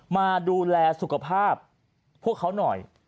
มาดูแลสุขภาพพวกเขาหน่อย